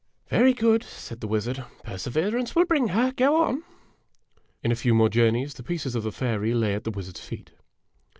"Very good," said the wizard; "perseverance will bring her. Go on." In a few more journeys the pieces of the fairy lay at the wizard's feet.